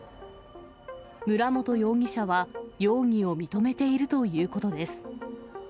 村元容疑者は、容疑を認めているということです。